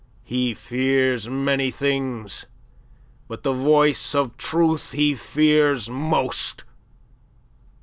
He fears many things, but the voice of truth he fears most.